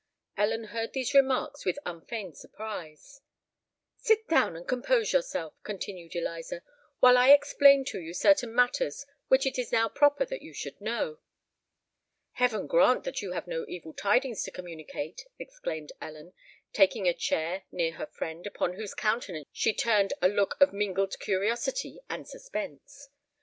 Ellen heard these remarks with unfeigned surprise. "Sit down, and compose yourself," continued Eliza, "while I explain to you certain matters which it is now proper that you should know." "Heaven grant that you have no evil tidings to communicate!" exclaimed Ellen, taking a chair near her friend, upon whose countenance she turned a look of mingled curiosity and suspense.